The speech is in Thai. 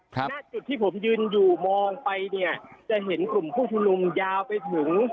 หน้าจุดที่ผมยืนอยู่มองไปเนี่ยจะเห็นกลุ่มผู้ชุมนุมยาวไปถึง